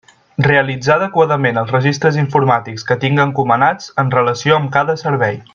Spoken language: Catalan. Realitzar adequadament els registres informàtics que tinga encomanats en relació amb cada servei.